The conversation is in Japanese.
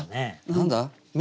何だ？